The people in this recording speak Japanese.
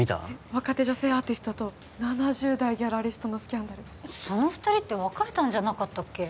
若手女性アーティストと７０代ギャラリストのスキャンダルその二人って別れたんじゃなかったっけ？